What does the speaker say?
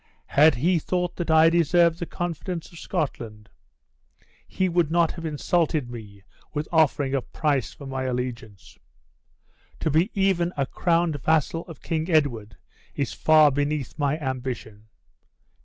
Had he thought that I deserved the confidence of Scotland, he would not have insulted me with offering a price for my allegiance. To be even a crowned vassal of King Edward is far beneath my ambition.